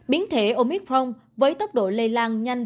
biến thể omicron với tốc độ lây lan nhanh